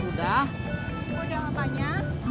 udah udah apanya